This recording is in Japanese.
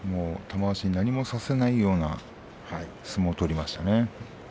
玉鷲に何もさせないような相撲を取りました。